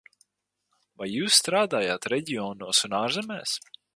Vai jūs strādājat reģionos un ārzemēs?